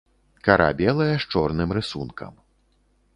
Кара белая, з чорным рысункам.